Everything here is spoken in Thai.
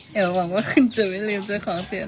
แหละหวังว่าคุณจะไม่ลืมเจอของเสียหน่อย